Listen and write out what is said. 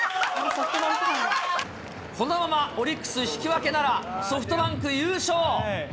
このままオリックス引き分けなら、ソフトバンク優勝。